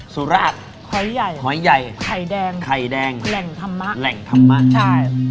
สุราชหอยใหญ่หอยใหญ่ไข่แดงไข่แดงแหล่งธรรมะแหล่งธรรมะใช่